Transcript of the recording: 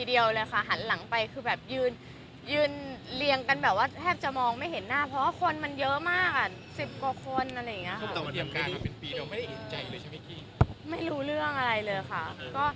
พี่ก๊อตเตอร์มันได้การทำเป็นปีเดียวกมันไม่ได้แเอกใจใช่ไหม